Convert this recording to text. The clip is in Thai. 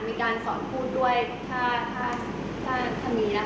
มีการสอนพูดด้วยค่ะ